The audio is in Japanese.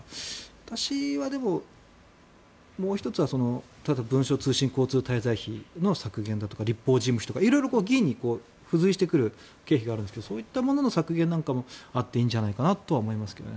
私はでも、もう１つは例えば、文書通信交通滞在費削減だとか立法事務費だとか議員に付随してくる経費があるんですがそういったものの削減なんかもあっていいんじゃないなと思いますけどね。